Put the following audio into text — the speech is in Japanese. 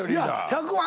１００万